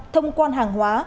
thông quan hàng hóa